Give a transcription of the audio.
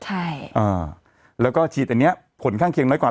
ใช่อ่าแล้วก็ฉีดอันเนี้ยผลข้างเคียงน้อยกว่า